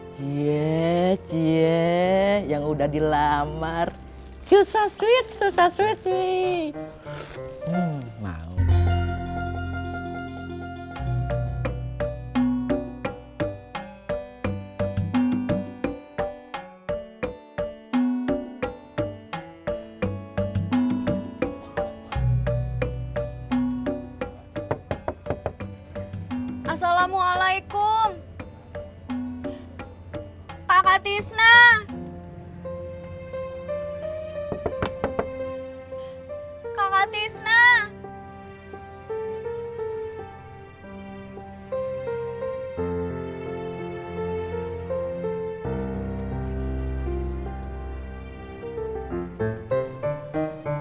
cie cie yang udah dilamar susah sweet susah sweet nih mau